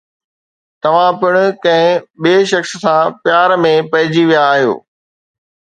توهان پڻ ڪنهن ٻئي شخص سان پيار ۾ پئجي ويا آهيو